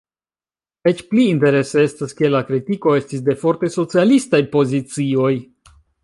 Eĉ pli interese estas ke la kritiko estis de forte socialistaj pozicioj.